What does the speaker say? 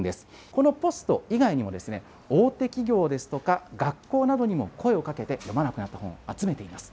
このポスト以外にも、大手企業ですとか学校などにも声をかけて読まなくなった本、集めています。